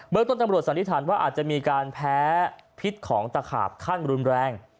เบอร์กต้นจังห์บรวจสัณธิษฐานว่าอาจจะมีการแพ้พิษของตะขาบขั้นมารุนแรง